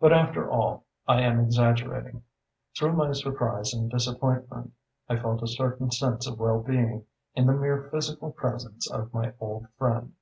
But after all, I am exaggerating. Through my surprise and disappointment I felt a certain sense of well being in the mere physical presence of my old friend.